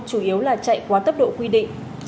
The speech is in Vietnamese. chủ yếu là chạy quá tốc độ quy định